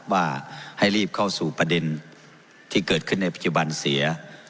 ว่าให้รีบเข้าสู่ประเด็นที่เกิดขึ้นในปัจจุบันเสีย